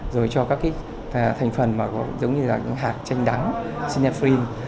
rồi cho các thành phần giống như hạt chanh đắng sinephrine